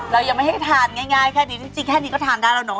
เรายังไม่ให้ทานง่ายแค่นี้จริงแค่นี้ก็ทานได้แล้วเนอ